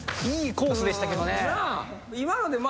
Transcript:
いいコースでしたけどね。